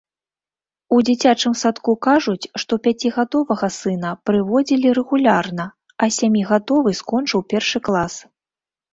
У дзіцячым садку кажуць, што пяцігадовага сына прыводзілі рэгулярна, а сямігадовы скончыў першы клас.